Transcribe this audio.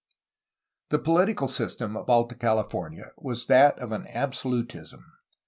The political system of Alta California was that of an absolutism.